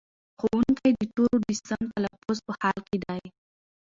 ښوونکی د تورو د سم تلفظ په حال کې دی.